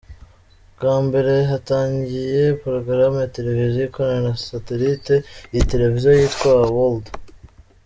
Bwa mbere hatangiye porogaramu ya Televiziyo ikorana na satellite, iyi televiziyo yitwa Our World.